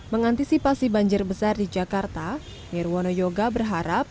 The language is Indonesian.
mengantisipasi banjir besar di jakarta nirwono yoga berharap